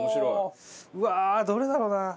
うわーどれだろうな？